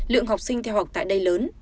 lượng học sinh theo học tại đây lớn